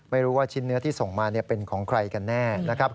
ไม่รู้ว่าชิ้นเนื้อที่ส่งมาเป็นของใครกันแน่นะครับ